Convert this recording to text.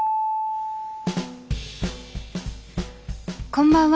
こんばんは。